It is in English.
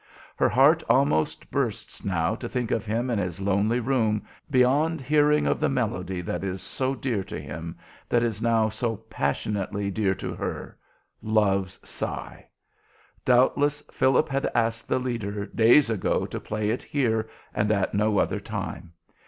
Her heart almost bursts now to think of him in his lonely room, beyond hearing of the melody that is so dear to him, that is now so passionately dear to her, "Love's Sigh." Doubtless, Philip had asked the leader days ago to play it here and at no other time.